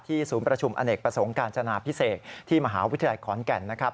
ศูนย์ประชุมอเนกประสงค์การจนาพิเศษที่มหาวิทยาลัยขอนแก่นนะครับ